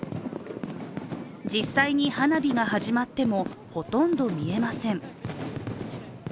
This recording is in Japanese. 実際に花火が始まってもほとんど見えません。